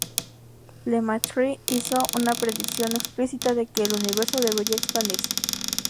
Lemaître hizo una predicción explícita de que el universo debería expandirse.